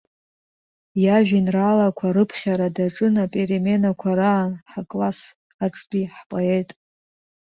Иажәеинраалақәа рыԥхьара даҿын апеременақәа раан ҳакласс аҿтәи ҳпоет.